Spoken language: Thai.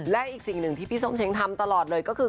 และอีกสิ่งหนึ่งที่พี่ส้มเช้งทำตลอดเลยก็คือ